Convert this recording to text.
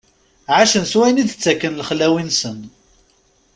Ɛacen s wayen i d-ttakken lexlawi-nsen.